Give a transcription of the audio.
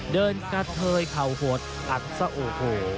เดินกระเทยเข่าหดอัดซะโอ้โห